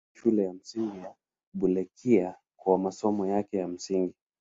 Alisoma Shule ya Msingi Bulekei kwa masomo yake ya msingi.